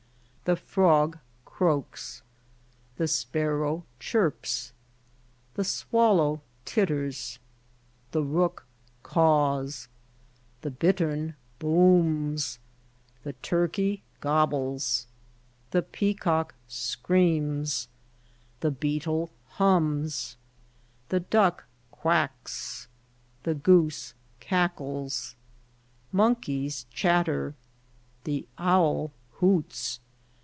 The frog croaks. The spar row chirps. The swal low twit ters. The rook caws. The bit tern booms. The tur key gob bles. The pea cock screams. The bee tie hums. The duck quacks. The goose cac kles. Mon keys chat ter. The owl hoots.